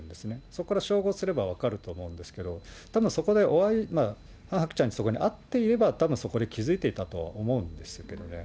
そこから照合すれば分かると思うんですけれども、たぶん、そこでハン・ハクチャに会っていれば、たぶんそこで気付いていたと思うんですけどね。